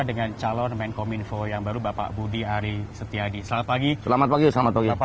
dengan calon menkom info yang baru bapak budi ari setiadi selamat pagi selamat pagi selamat pagi